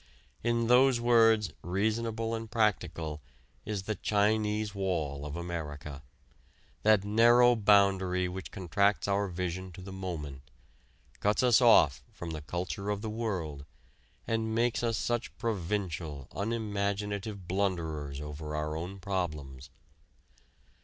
In those words "reasonable and practical" is the Chinese Wall of America, that narrow boundary which contracts our vision to the moment, cuts us off from the culture of the world, and makes us such provincial, unimaginative blunderers over our own problems.